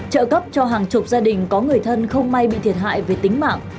trợ cấp cho hàng chục gia đình có người thân không may bị thiệt hại về tính mạng